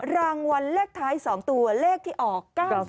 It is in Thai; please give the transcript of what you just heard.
รางวัลเลขท้าย๒ตัวเลขที่ออก๙๐